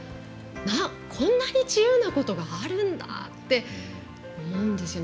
こんなに自由なことがあるんだと思うんですよね。